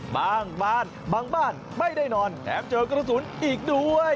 บ้านบางบ้านไม่ได้นอนแถมเจอกระสุนอีกด้วย